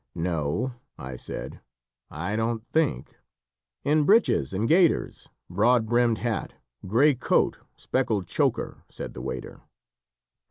"No," I said, "I don't think " "In breeches and gaiters, broad brimmed hat, gray coat, speckled choker," said the waiter.